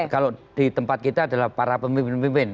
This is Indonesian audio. kalau di tempat kita adalah para pemimpin pemimpin